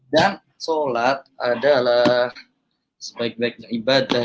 dan sholat adalah sebaik baiknya ibadah